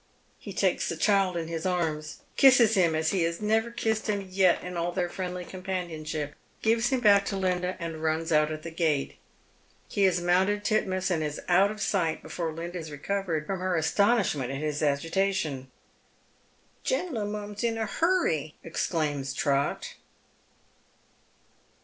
He takes tho child in his aiTus, kisses hira as he has never kissed him yet in all their friendly companionship, gives him back to Linda, and runs out at the gate. He has mounted Titmouse and is out of sight before Linda has recovered from her astonishment at his agitation, " Genlamum's in a huny !" exclaims Trot.